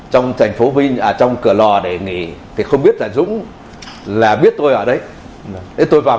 trong thành phố vinh ở trong cửa lò để nghỉ thì không biết là dũng là biết tôi ở đấy tôi vào